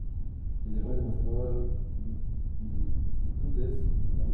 Desde joven demostró aptitudes para el dibujo y la pintura.